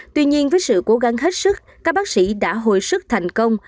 tuy nhiên với sự cố gắng hết sức các bác sĩ đã hồi sức thành công